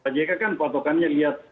pak jk kan patokannya lihat